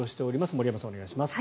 森山さん、お願いします。